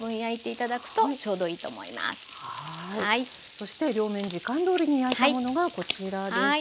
そして両面時間どおりに焼いたものがこちらですね。